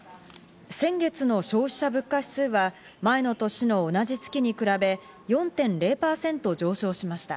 先月の消費者物価指数は、前の年の同じ月に比べ４．０％上昇しました。